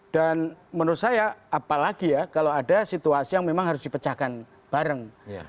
menurut saya apalagi ya kalau ada situasi yang memang harus dipecahkan bareng